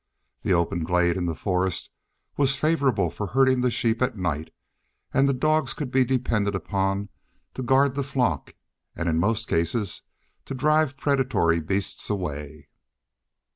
The open glade in the forest was favorable for herding the sheep at night, and the dogs could be depended upon to guard the flock, and in most cases to drive predatory beasts away.